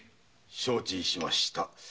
承知しました。